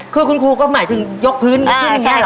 คือคุณครูก็หมายถึงยกพื้นขึ้นอย่างนี้เหรอ